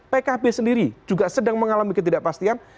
pkb sendiri juga sedang mengalami ketidakpastian